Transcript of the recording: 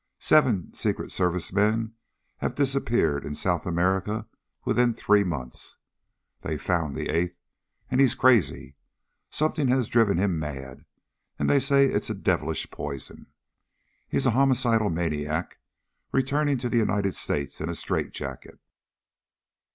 Seven Secret Service men have disappeared in South America within three months. They've found the eighth, and he's crazy. Something has driven him mad, and they say it's a devilish poison. He's a homicidal maniac, returning to the United States in a straight jacket.